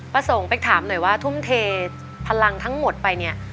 ประสงค์เป๊กถามหน่อยว่าทุ่มเทพลังทั้งหมดไปเนี่ย